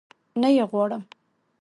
نه يي غواړم